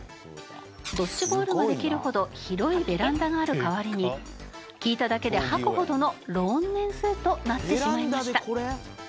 ドッジボールができるほど広いベランダがある代わりに聞いただけで吐くほどのローン年数となってしまいました。